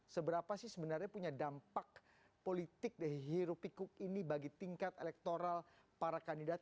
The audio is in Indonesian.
seberapa sih sebenarnya punya dampak politik dari hirup pikuk ini bagi tingkat elektoral para kandidat